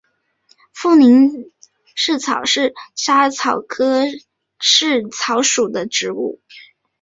富宁薹草是莎草科薹草属的植物。